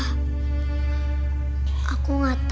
aku gak punya papa